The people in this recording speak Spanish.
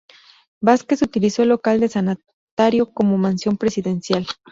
Vásquez utilizó el local del sanatorio como mansión presidencial.